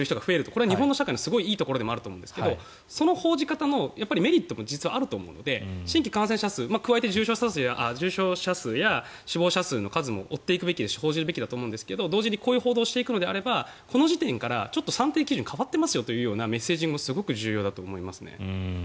これは日本の社会のすごくいいところでもあると思うんですがその報じ方のメリットも実はあると思うので新規感染者数加えて重症者数や死亡者数も追っていくべきですし報じるべきですが同時にこういう報道をしていくんであればこの辺りから算定基準が変わっていますよというメッセージがすごく重要だと思います。